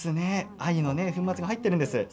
藍の粉末が入っているんです。